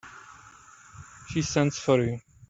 She sends for you.